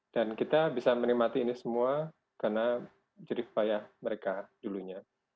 kita bisa menikmati ini semua karena jerih payah mereka dulunya